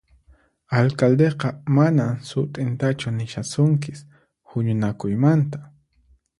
Alcaldeqa manan sut'intachu nishasunkis huñunakuymanta